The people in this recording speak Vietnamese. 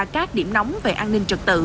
các điểm nóng về an ninh trật tự